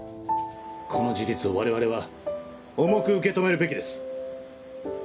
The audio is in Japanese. この事実を我々は重く受け止めるべきです